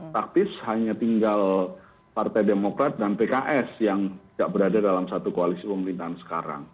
taktis hanya tinggal partai demokrat dan pks yang tidak berada dalam satu koalisi pemerintahan sekarang